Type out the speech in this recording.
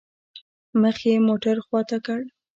مخ مې موټر خوا ته كړ.